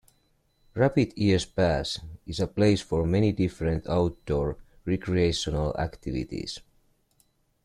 Rabbit Ears pass is a place for many different outdoor recreational activities.